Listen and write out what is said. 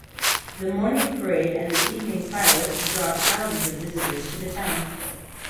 The morning parade and the evening fireworks draw thousands of visitors to the town.